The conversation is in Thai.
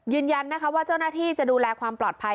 ยืนยันนะคะว่าเจ้าหน้าที่จะดูแลความปลอดภัย